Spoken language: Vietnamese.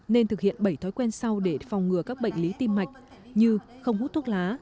nên thực hiện bảy thói quen sau để phòng ngừa các bệnh lý tim mạch như không hút thuốc lá